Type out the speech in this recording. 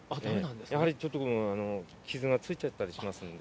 やはりちょっと、傷がついちゃったりしますんで。